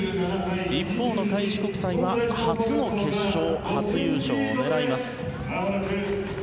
一方の開志国際は初の決勝初優勝を狙います。